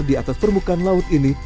di atas permukaan laut ini